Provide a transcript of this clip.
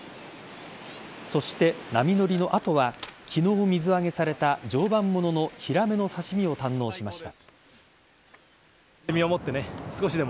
そして、波乗りの後は昨日、水揚げされた常磐もののヒラメの刺し身を堪能しました。